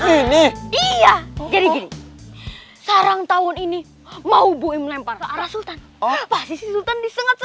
ini iya jadi sarang tahun ini mau buim lempar arah sultan